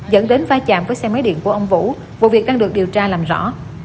dẫn đến phá chạm với xe máy điện của ông vũ vụ việc đang được điều tra làm rõ